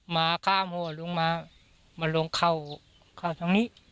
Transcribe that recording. มาข้ามหัวลงมามาลงเข้าตรงนี้